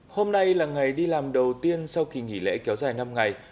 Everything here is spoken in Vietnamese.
hôm nay là ngày đi làm đầu tiên sau kỳ nghỉ lễ kéo dài năm ngày